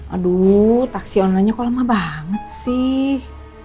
aduh taksi onlinenya kok lama banget sih